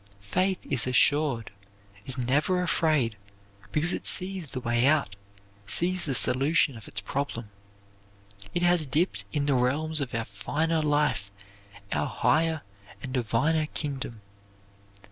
Faith is assured, is never afraid, because it sees the way out; sees the solution of its problem. It has dipped in the realms of our finer life our higher and diviner kingdom.